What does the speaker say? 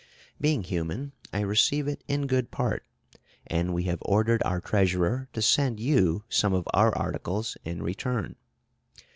"Being human, I receive it in good part, and we have ordered our treasurer to send you some of our articles in return.